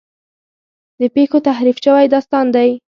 د پېښو تحریف شوی داستان دی.